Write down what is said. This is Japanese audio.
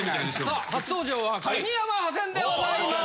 さあ初登場は国山ハセンでございます。